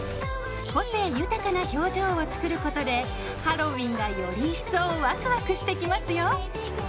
個性豊かな表情を作ることでハロウィーンがより一層ワクワクしてきますよ。